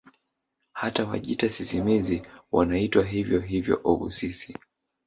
Hata Wajita sisimizi wanaitwa hivyo hivyo obhusisi